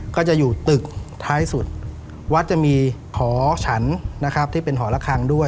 ก็จะอยู่ตึกท้ายสุดวัดจะมีหอฉันนะครับที่เป็นหอระคังด้วย